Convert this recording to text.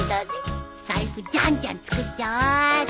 財布じゃんじゃん作っちゃおうっと。